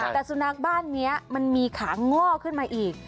แต่สุนัขบ้านนี้มันมีขาง่อขึ้นมาอีก